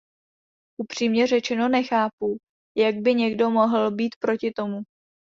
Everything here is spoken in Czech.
Upřímně řečeno nechápu, jak by někdo mohl být proti tomu.